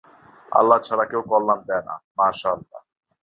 আল্লাহ ছাড়া কেউ কল্যাণ দেয় না—মাশাআল্লাহ।